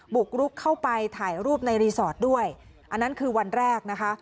บุกรุกเข้าไปถ่ายรูปในรีสอร์ทด้วยอันนั้นคือวันแรกนะคะ